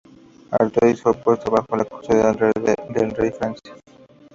Artois fue puesto bajo la custodia del rey de Francia.